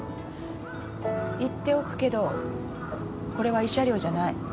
言っておくけどこれは慰謝料じゃない。